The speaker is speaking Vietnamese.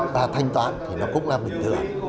và thanh toán thì nó cũng là bình thường